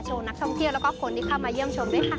นักท่องเที่ยวแล้วก็คนที่เข้ามาเยี่ยมชมด้วยค่ะ